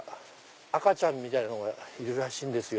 赤ちゃんみたいのがいるらしいんですよ。